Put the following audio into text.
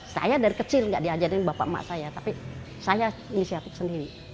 saya dari kecil gak diajarin bapak emak saya tapi saya inisiatif sendiri